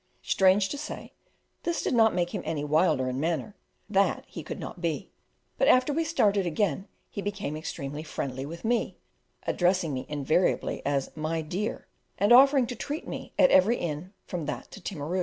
Strange to say, this did not make him any wilder in manner that he could not be; but after we started again he became extremely friendly with me, addressing me invariably as "my dear," and offering to "treat me" at every inn from that to Timaru.